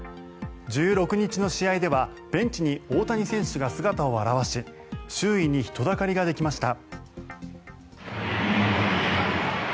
１６日の試合ではベンチに大谷選手が姿を現し周囲に人だかりができました。